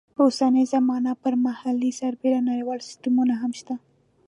په اوسنۍ زمانه کې پر محلي سربېره نړیوال سیسټمونه هم شته.